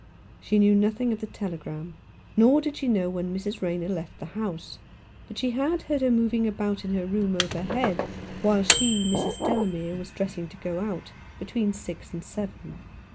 She knew nothing of the telegram, nor did she know when Mrs. Rayner left the house, but she had heard her moving about in her room overhead 99 Rough Justice* while she, Mrs. Delamere, was dressing to go out, between six and seven.